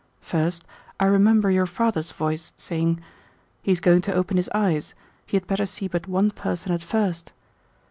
First, I remember your father's voice saying, "He is going to open his eyes. He had better see but one person at first."